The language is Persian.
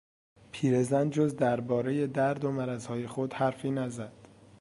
پیر زن جز دربارهی درد و مرضهای خود حرفی نزد.